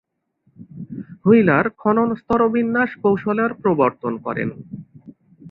Wheeler খনন স্তরবিন্যাস কৌশলের প্রবর্তন করেন।